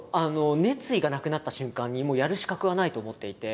熱意がなくなった瞬間にもうやる資格はないと思っていて。